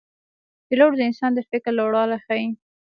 پیلوټ د انسان د فکر لوړوالی ښيي.